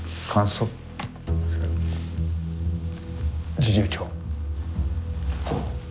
侍従長。